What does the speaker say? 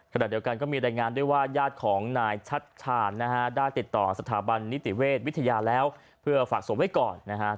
ขณะเดียวกันก็มีรายงานด้วยว่าญาติของนายชัดชาญได้ติดต่อสถาบันนิติเวชวิทยาแล้วเพื่อฝากศพไว้ก่อนนะฮะ